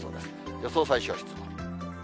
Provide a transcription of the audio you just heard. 予想最小湿度。